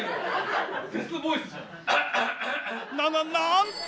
なななんと！